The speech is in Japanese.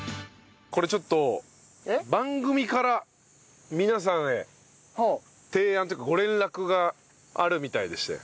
これちょっと番組から皆さんへ提案というかご連絡があるみたいでして。